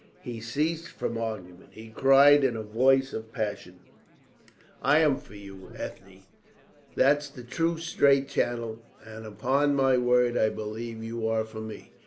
He ceased from argument; he cried in a voice of passion: "I am for you, Ethne! There's the true straight channel, and upon my word I believe you are for me.